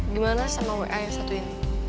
gimana sama wa yang satu ini